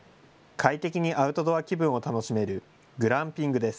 快適にアウトドア気分を楽しめるグランピングです。